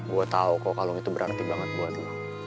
gue tau kok kalung itu berarti banget buat lo